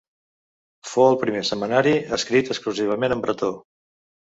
Fou el primer setmanari escrit exclusivament en bretó.